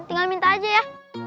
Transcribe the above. tinggal minta aja ya